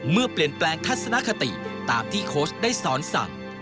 เมื่อเปลี่ยนแปลงทัศนคติตามที่โค้ชได้สอนสั่ง